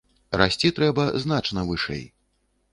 Расці трэба значна вышэй.